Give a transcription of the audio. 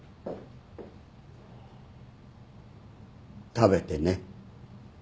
食べてね。